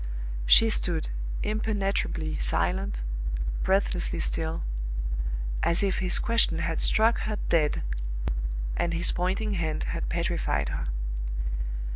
She stood impenetrably silent, breathlessly still as if his question had struck her dead, and his pointing hand had petrified her.